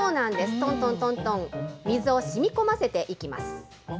とんとんとんとん、水をしみこませていきます。